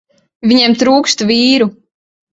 Viņiem trūkst vīru.